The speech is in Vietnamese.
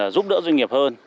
giúp đỡ doanh nghiệp hơn